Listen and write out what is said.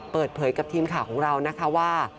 เปิดเผยกับทีมข่าวของเรานะคะว่า